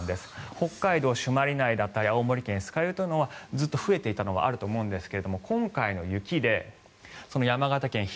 北海道朱鞠内だったり青森県酸ケ湯というのはずっと増えていたのはあると思うんですが今回の雪で山形県肘